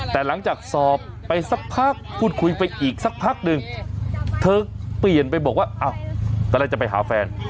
แต่หลังจากสอบไปสักพักพูดคุยไปอีกสักพักหนึ่งเธอเปลี่ยนไปบอกว่าอ้าวกำลังจะไปหาแฟน